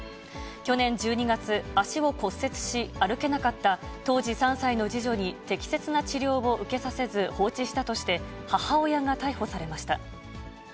去年１２月、足を骨折し歩けなかった、当時３歳の次女に適切な治療を受けさせず、放置したとして、母親が逮捕されました。